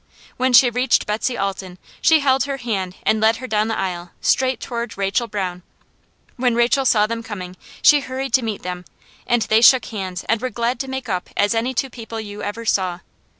When she reached Betsy Alton she held her hand and led her down the aisle straight toward Rachel Brown. When Rachel saw them coming she hurried to meet them, and they shook hands and were glad to make up as any two people you ever saw.